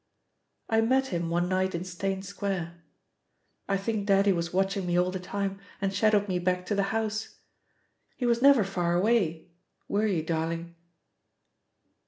"I met him one night in Steyne Square. I think Daddy was watching me all the time and shadowed me back to the house. He was never far away, were you, darling?"